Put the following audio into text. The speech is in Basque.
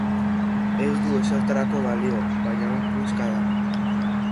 Ez du ezertarako balio, baina on puska da.